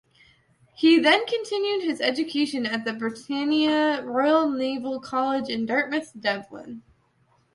He then continued his education at the Britannia Royal Naval College in Dartmouth, Devon.